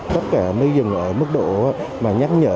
tất cả mới dừng ở mức độ mà nhắc nhở